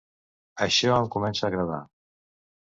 Això em comença a agradar.